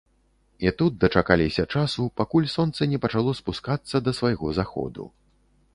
І тут дачакаліся часу, пакуль сонца не пачало спускацца да свайго заходу.